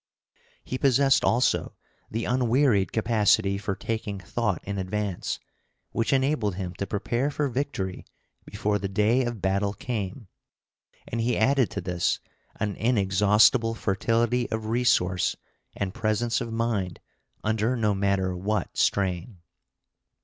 He possessed also the unwearied capacity for taking thought in advance, which enabled him to prepare for victory before the day of battle came; and he added to this an inexhaustible fertility of resource and presence of mind under no matter what strain.